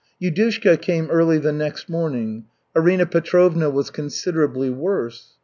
Yudushka came early the next morning. Arina Petrovna was considerably worse.